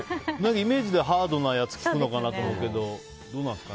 イメージではハードなやつを聴くのかなと思うんですけどどうなんですかね。